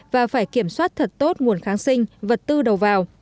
và phải kiểm soát thật tốt nguồn kháng sinh vật tư đầu vào